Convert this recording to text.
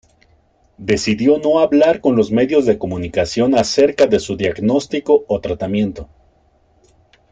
Decidió no hablar con los medios de comunicación acerca de su diagnóstico o tratamiento.